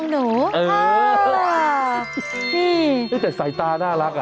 นี่แต่สายตาน่ารัก